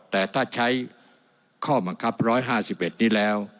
แต่ถ้าใช้ข้อบังคับ๑๕๑นี้แล้ว